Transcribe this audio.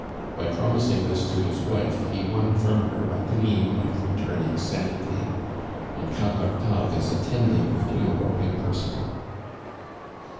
By promising this to his wife he won from her a gleam of returning sanity. And Count Octave is attending the funeral in person."